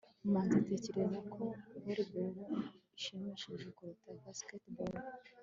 manzi atekereza ko volleyball ishimishije kuruta basketball